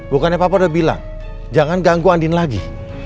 bukannya papa udah bilang jangan ganggu andin lagi